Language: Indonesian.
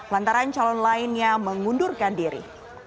lantaran calon lainnya mengundurkan diri